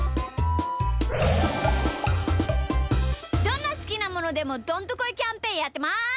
どんなすきなものでもどんとこいキャンペーンやってます。